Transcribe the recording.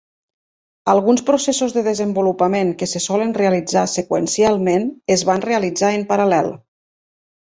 Alguns processos de desenvolupament que se solen realitzar seqüencialment es van realitzar en paral·lel.